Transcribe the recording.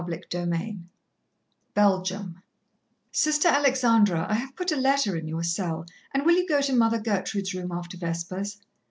Book II XIX Belgium "Sister Alexandra, I have put a letter in your cell. And will you go to Mother Gertrude's room after Vespers?"